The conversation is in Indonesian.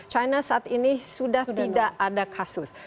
china saat ini sudah tidak ada kasus